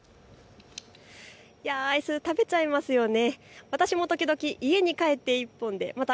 アイス、食べちゃいますよね。